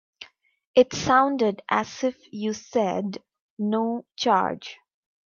It sounded as if you said no charge.